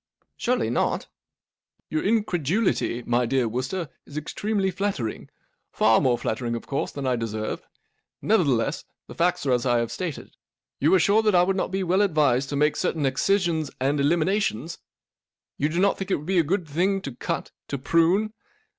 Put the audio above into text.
" Surely not ?"" Your incredulity, my dear Wooster, is extremely flattering—far more flattering, of course, than I deserve. Nevertheless, the facts are as I have stated. You are sure that I would not be well advised to make certain excisions and eliminations ? You do not think it would be a good thinglto cut, to prune